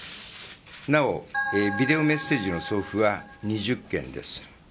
なお、ビデオメッセージの送付は２０件です。